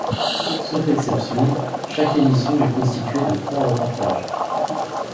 Sauf exception, chaque émission est constituée de trois reportages.